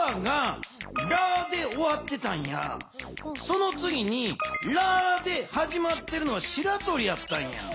そのつぎに「ラ」ではじまってるのはしらとりやったんや。